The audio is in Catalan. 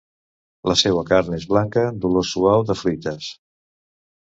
La seua carn és blanca, d'olor suau de fruites.